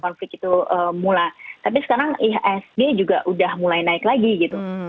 konflik itu mula tapi sekarang ihsg juga udah mulai naik lagi gitu